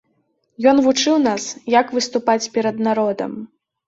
Ён вучыў нас, як выступаць перад народам.